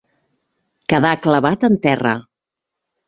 Quedar clavat en terra.